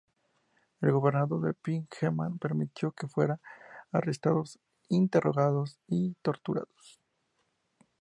El gobernador Pehr Ekman permitió que fueran arrestados, interrogados y torturados.